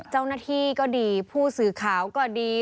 เจ้าหน้าที่ก็ดีผู้สื่อข่าวก็ดี